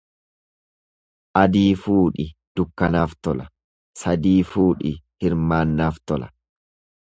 Adii fuudhi dukkanaaf tola, sadii fuudhi hirmaannaaf tola.